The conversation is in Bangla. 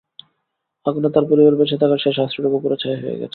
আগুনে তাঁর পরিবারের বেঁচে থাকার শেষ আশ্রয়টুকুও পুড়ে ছাই হয়ে গেছে।